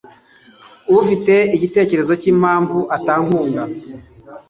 Ufite igitekerezo cyimpamvu atankunda?